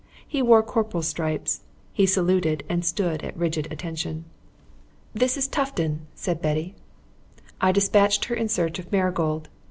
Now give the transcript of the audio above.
He wore corporal's stripes. He saluted and stood at rigid attention. "This is Tufton," said Betty. I despatched her in search of Marigold.